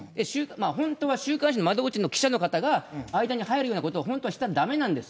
本当は週刊誌の、窓口の記者の方が、間に入るようなことを、本当はしたらだめなんです。